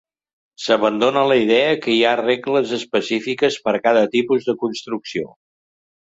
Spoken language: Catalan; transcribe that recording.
S'abandona la idea que hi ha regles específiques per a cada tipus de construcció.